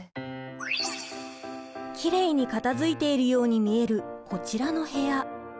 きれいに片づいているように見えるこちらの部屋。